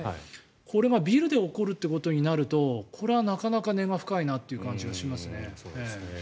これがビルで起こるということになるとこれはなかなか根が深いなという感じがしますね。